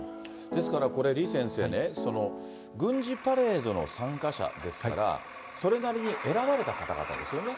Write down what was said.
ですからこれ、李先生ね、軍事パレードの参加者ですから、それなりに選ばれた方々ですよね。